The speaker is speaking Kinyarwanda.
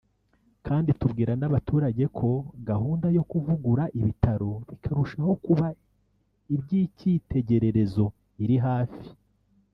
kandi tubwira n’abaturage ko gahunda yo kuvugura ibitaro bikarushako kuba iby’icyitegererezo iri hafi